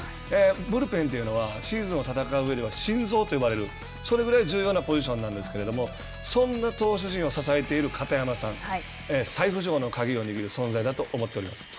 ブルペンというのはシーズンを戦う上では心臓と呼ばれるそれぐらい重要なポジションなんですけれどもそんな投手陣を支えている片山さん再浮上の鍵を握る存在だと思います。